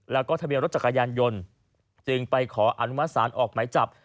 แล้วก็ทะเบียนรถจักรยานยนต์จึงไปขออนุมัติศาลออกหมายจับ